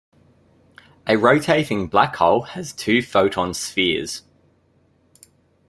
A rotating black hole has two photon spheres.